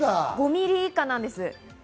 ５ミリ以下です。